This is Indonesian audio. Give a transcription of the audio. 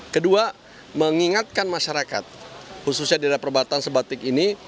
kedua mengingatkan masyarakat khususnya di daerah perbatasan sebatik ini